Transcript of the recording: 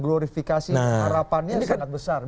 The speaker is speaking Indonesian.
glorifikasi harapannya sangat besar